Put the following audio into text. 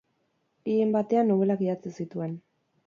Gehien batean nobelak idatzi zituen.